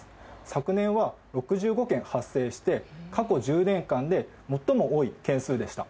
昨年は６５件発生して過去１０年間で最も多い件数でした。